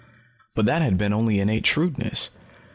But that had been only innate shrewdness.